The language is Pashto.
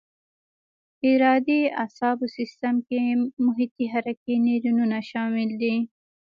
ارادي اعصابو سیستم کې محیطي حرکي نیورونونه شامل دي.